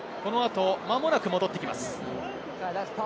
間もなく戻ってきます。